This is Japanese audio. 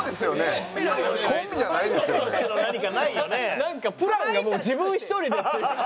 なんかプランがもう自分一人で。